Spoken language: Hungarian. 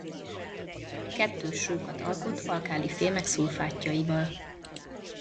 Kettős sókat alkot alkálifémek szulfátjaival.